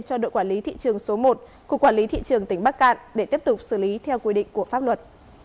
cho đội quản lý thị trường số một của quản lý thị trường tỉnh bắc cạn để tiếp tục xử lý theo quy định của pháp luật